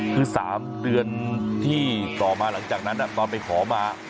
คือ๓เดือนที่ต่อมาหลังจากนั้นตอนไปขอมา